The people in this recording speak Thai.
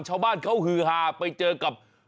ชาวบ้านเขาฮือฮาไปเจอกับ